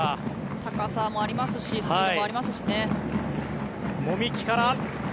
高さもありますしスピードもありますしね。